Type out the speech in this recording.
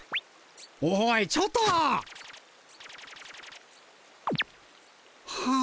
おいちょっと。はあ。